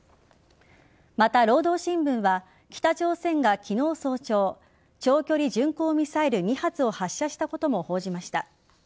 また、労働新聞は北朝鮮が昨日早朝長距離巡航ミサイル２発を発射したことも報じました。